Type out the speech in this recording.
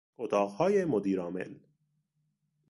اتاقهای مدیر عامل